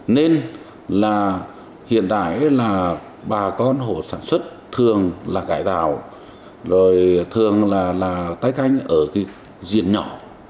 nên là hiện tại là bà con hồ sản xuất thường là cải tạo rồi thường là tái canh ở cái diện nhỏ